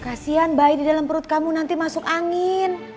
kasian bayi di dalam perut kamu nanti masuk angin